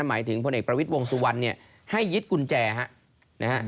หมายถึงพลเอกประวิทย์วงสุวรรณเนี่ยให้ยึดกุญแจฮะนะฮะ